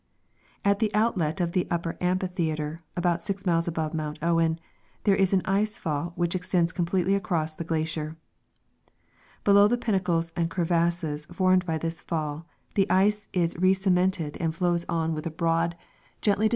At the outlet of the upper amphitheatre, about 6 miles above Mount Owen, there is an ice fall which extends completely across the glacier. Below the pinnacles and crevasses formed by this fall the ice is recemented and flows on with a broad, gently de Ice Falls and Ice Rapids.